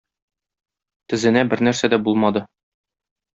Тезенә бернәрсә дә булмады.